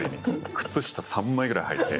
靴下３枚ぐらいはいて。